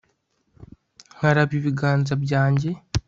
nkaraba ibiganza byanjye